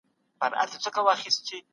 فیصلې به تل په حکم د ظالم وي